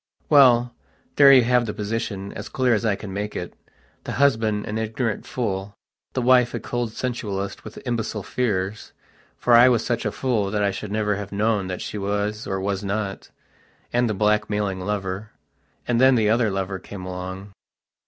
Well, there you have the position, as clear as I can make itthe husband an ignorant fool, the wife a cold sensualist with imbecile fearsfor I was such a fool that I should never have known what she was or was notand the blackmailing lover. And then the other lover came along....